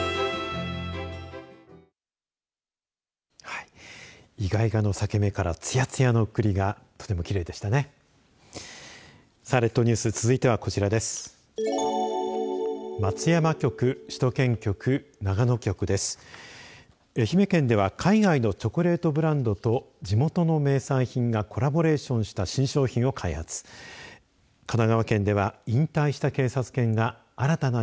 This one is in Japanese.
いがいがの裂け目からつやつやのクリがとてもきれいでしたね。